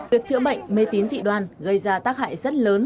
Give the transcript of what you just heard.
việc chữa bệnh mê tín dị đoan gây ra tác hại rất lớn